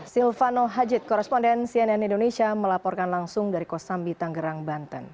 silvano hajid koresponden cnn indonesia melaporkan langsung dari kosambi tanggerang banten